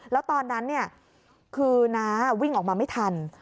แล้วตอนนั้นคือน้าวิ่งออกมาไม่ทัน